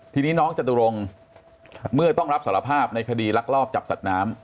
ทีนี้น้องจตุรงค์เมื่อต้องรับสารภาพในคดีลักลอบจับสัตว์น้ำ